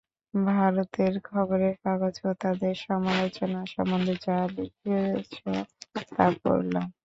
ভারতের খবরের কাগজ ও তাদের সমালোচনা সম্বন্ধে যা লিখেছ, তা পড়লাম।